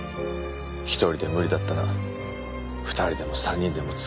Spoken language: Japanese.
１人で無理だったら２人でも３人でも使えばいい。